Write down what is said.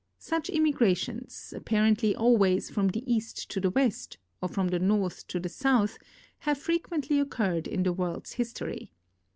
Such immigrations, apparently always from the east to the west, or from the north to the south, have frequently occurred in the world's history.